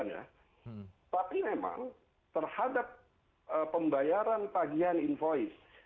tapi memang terhadap pembayaran tagihan invoice